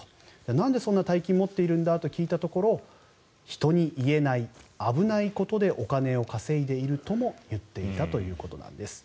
なんでそんな大金を持っているんだと聞いたところ人に言えない危ないことでお金を稼いでいるとも言っていたということなんです。